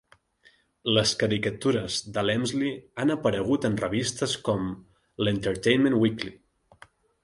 Les caricatures de l'Emslie han aparegut en revistes com l'"Entertainment Weekly".